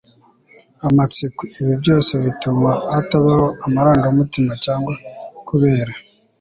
amatsiko. ibi byose bituma hatabaho amarangamutima cyangwa kubera